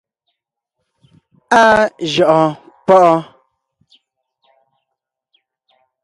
Áa jʉʼɔɔn páʼɔɔn.